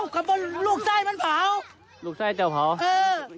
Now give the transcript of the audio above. ก็ให้เอาลูกชายไปเถอะครับ